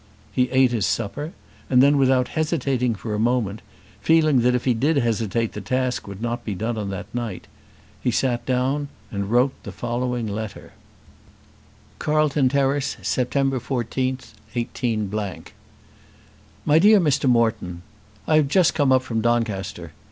He ate his supper, and then without hesitating for a moment, feeling that if he did hesitate the task would not be done on that night, he sat down and wrote the following letter: Carlton Terrace, Sept. 14, 18 . MY DEAR MR. MORETON, I have just come up from Doncaster.